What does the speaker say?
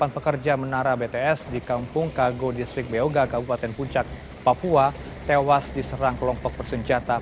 delapan pekerja menara bts di kampung kago distrik beoga kabupaten puncak papua tewas diserang kelompok bersenjata